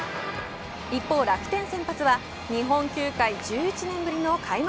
一方、楽天先発は日本球界１１年ぶりの開幕